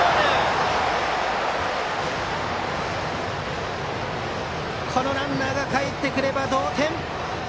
三塁ランナーがかえってくれば同点。